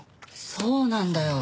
そうなんだよ。